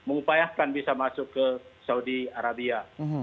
mengupayakan bisa masuk ke saudi arabia